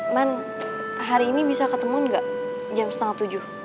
ban hari ini bisa ketemu gak jam setengah tujuh